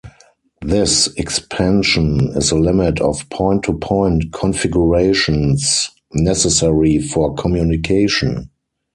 This expansion is the limit of point-to-point configurations necessary for communication.